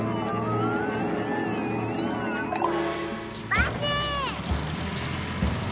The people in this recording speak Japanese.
バス。